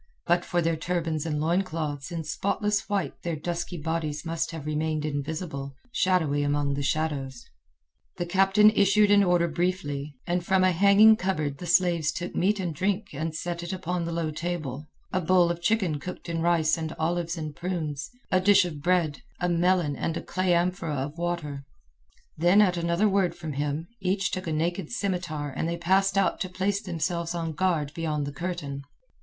But for their turbans and loincloths in spotless white their dusky bodies must have remained invisible, shadowy among the shadows. The captain issued an order briefly, and from a hanging cupboard the slaves took meat and drink and set it upon the low table—a bowl of chicken cooked in rice and olives and prunes, a dish of bread, a melon, and a clay amphora of water. Then at another word from him, each took a naked scimitar and they passed out to place themselves on guard beyond the curtain.